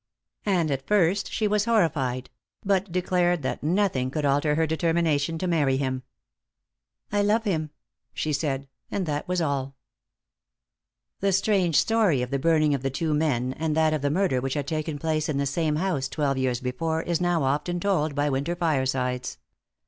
And at first she was horrified; but declared that nothing could alter her determination to marry him. "I love him," she said, and that was all. The strange story of the burning of the two men, and that of the murder which had taken place in the same house twelve years before is even now often told by winter firesides.